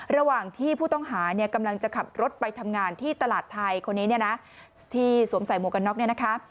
ระหว่างที่ผู้ต้องหาเนี่ยกำลังจะขับรถไปทำงานที่ตลาดไทยคนนี้เนี่ยนะที่สวมใส่หมวกกันน็อกเนี่ยนะคะ